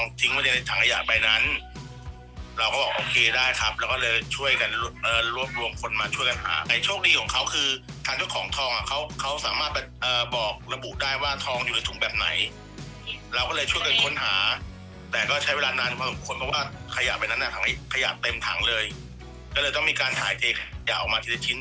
มีความรู้สึกว่ามีความรู้สึกว่ามีความรู้สึกว่ามีความรู้สึกว่ามีความรู้สึกว่ามีความรู้สึกว่ามีความรู้สึกว่ามีความรู้สึกว่ามีความรู้สึกว่ามีความรู้สึกว่ามีความรู้สึกว่ามีความรู้สึกว่ามีความรู้สึกว่ามีความรู้สึกว่ามีความรู้สึกว่ามีความรู้สึกว